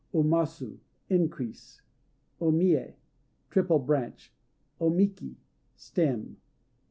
O Masu "Increase." O Mië "Triple Branch." O Miki "Stem."